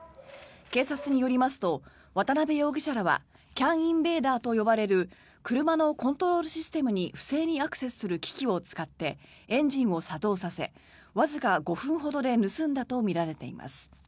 警察によりますと渡邉容疑者らはＣＡＮインベーダーと呼ばれる車のコントロールシステムに不正にアクセスする機器を使ってエンジンを作動させわずか５分ほどで盗んだとみられています。